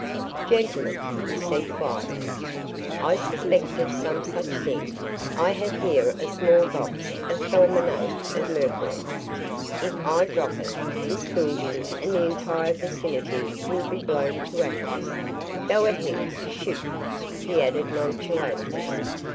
"Gentlemen," he said quietly. "I suspected some such thing. I have here a small box of fulminate of mercury. If I drop it, this building and the entire vicinity will be blown to atoms. Go ahead shoot!" he added, nonchalantly.